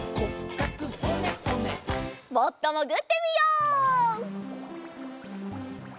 もっともぐってみよう。